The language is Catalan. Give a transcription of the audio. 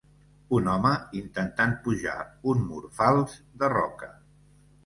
Un home intentant pujar un mur fals de roca.